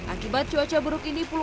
akibat cuaca buruk ini